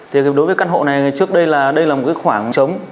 thì đối với căn hộ này trước đây là một khoảng trống